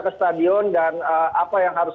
ke stadion dan apa yang harus